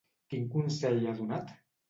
Quin consell ha donat?